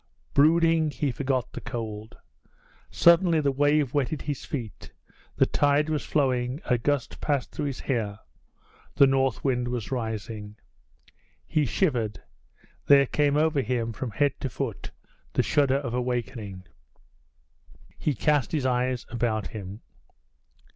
Brooding, he forgot the cold. Suddenly the wave wetted his feet the tide was flowing; a gust passed through his hair the north wind was rising. He shivered. There came over him, from head to foot, the shudder of awakening. He cast his eyes about him.